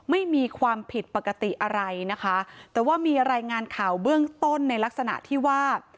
ไม่มีความผิดปกติอะไรนะคะแต่ว่ามีรายงานข่าวเบื้องต้นในลักษณะที่ว่า